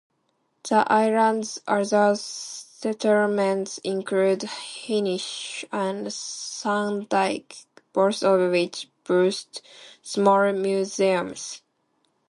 The island's other settlements include Hynish and Sandaig, both of which boast small museums.